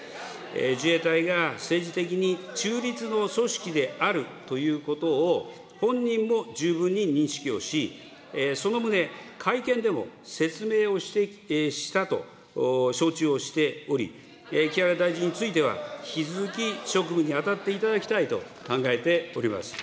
自衛隊が政治的に中立の組織であるということを、本人も十分に認識をし、その旨、会見でも説明をしたと承知をしており、木原大臣については引き続き職務に当たっていただきたいと考えております。